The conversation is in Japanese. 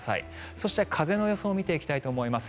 そして風の予想を見ていきたいと思います。